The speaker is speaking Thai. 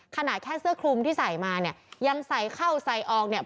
ขนาดแค่เสื้อคลุมที่ใส่มาเนี่ยยังใส่เข้าใส่ออกเนี่ย